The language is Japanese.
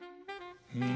うん。